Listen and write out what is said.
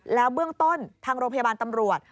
แล้วเบื้องต้นทางโรงพยาบาลตำรวจ